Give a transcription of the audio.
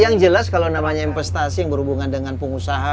yang jelas kalau namanya investasi yang berhubungan dengan pengusaha